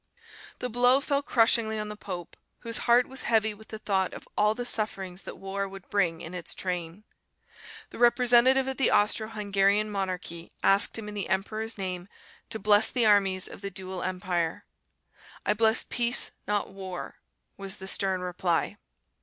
The blow fell crushingly on the pope, whose heart was heavy with the thought of all the sufferings that war would bring in its train. The representative of the Austro Hungarian monarchy asked him in the emperor's name to bless the armies of the dual empire. "I bless peace, not war," was the stern reply.